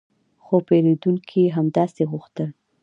خو پیرودونکي همداسې غوښتل